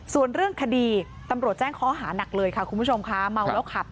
ส่วนเรื่องคดีตำหรับแจ้งข้อหานักเลยค่ะคุณผู้ชมค่ะ